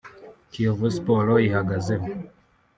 Kiyovu Sports yihagazeho